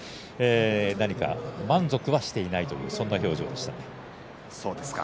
何か、満足はしていないというそんな表情でした。